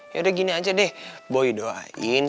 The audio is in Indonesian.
yaudah gini aja deh boy doain